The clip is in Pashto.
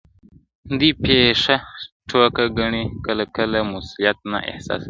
دوی پېښه ټوکه ګڼي کله کله مسووليت نه احساسوي ,